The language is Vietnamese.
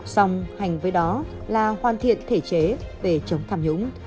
song hành với đó là hoàn thiện thể chế về chống tham nhũng